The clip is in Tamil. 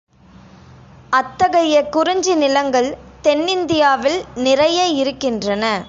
அத்தகைய குறிஞ்சி நிலங்கள் தென்னிந்தியாவில் நிறைய இருக்கின்றன.